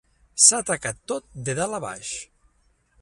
S'ha tacat tot de dalt a baix.